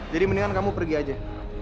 jadi mendingan kamu pergi aja